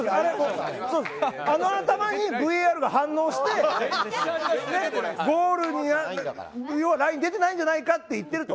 あの頭にＶＡＲが反応してゴールライン出てないんじゃないかと言ってると。